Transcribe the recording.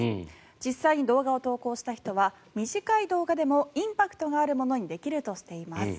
実際に動画を投稿した人は短い動画でもインパクトがあるものにできるとしています。